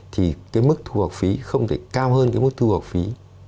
thì cái mức thu học phí không thể cao hơn cái mức thu học phí